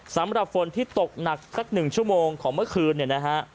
สำหรับฝนที่ตกหนักสัก๑ชั่วโมงของเมื่อคืนเนี่ยนะฮะ